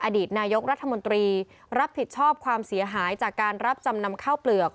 อดีตนายกรัฐมนตรีรับผิดชอบความเสียหายจากการรับจำนำข้าวเปลือก